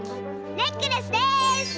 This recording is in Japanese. ネックレスです！